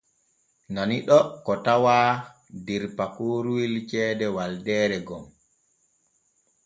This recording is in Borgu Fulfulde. Nani ɗoo ko tawaa der pakoroowel ceede Waldeeree gom.